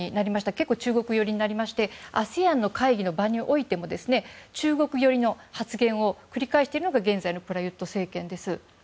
結構、中国寄りになりましてＡＳＥＡＮの会議の場においても中国寄りの発言を繰り返しているのが現在のプラユット政権です。